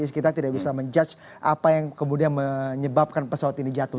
kita tidak bisa menjudge apa yang kemudian menyebabkan pesawat ini jatuh